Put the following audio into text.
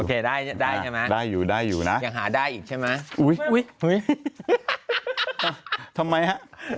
เคได้ได้ใช่ไหมได้อยู่ได้อยู่นะยังหาได้อีกใช่ไหมอุ้ยทำไมฮะ